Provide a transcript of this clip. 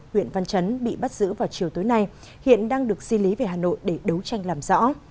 huyện văn chấn bị bắt giữ vào chiều tối nay hiện đang được di lý về hà nội để đấu tranh làm rõ